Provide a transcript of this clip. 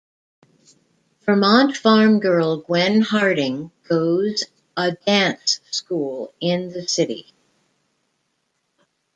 Vermont farm girl Gwen Harding goes a dance school in the city.